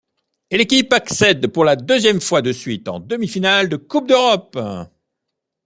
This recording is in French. L'équipe accède pour la deuxième fois de suite en demi-finale de coupe d'Europe.